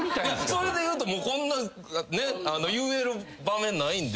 それでいうとこんな言える場面ないんで。